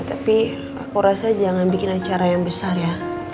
tapi aku rasa jangan bikin acara yang besar ya